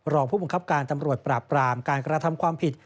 รองผู้บังคับการตำรวจปราบปรามการกระทำความผิด